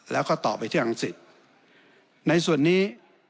แล้วก็ต่อไปที่อังกฤษในส่วนนี้